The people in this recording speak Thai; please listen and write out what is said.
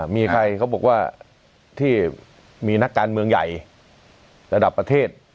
มีใครเขาบอกว่าที่มีนักการเมืองใหญ่ระดับประเทศ